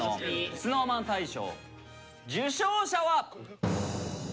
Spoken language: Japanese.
ＳｎｏｗＭａｎ大賞受賞者は。